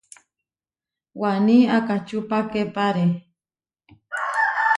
Waní akačupakepare.